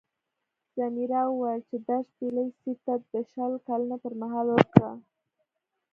ځمیرا وویل چې دا شپیلۍ سید ته د شل کلنۍ پر مهال ورکړه.